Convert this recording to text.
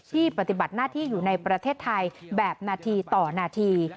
ปฏิบัติหน้าที่อยู่ในประเทศไทยแบบนาทีต่อนาที